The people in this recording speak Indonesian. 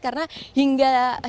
karena hingga minggu kemarin